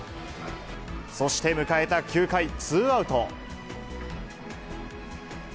そして迎えた９回、ツーアウト。